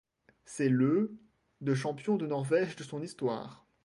C'est le de champion de Norvège de son histoire.